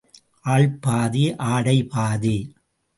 ஆள் பாதி, ஆடை பாதி.